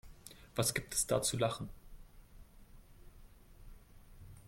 Was gibt es da zu lachen?